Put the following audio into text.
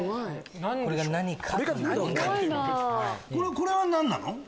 これは何なの？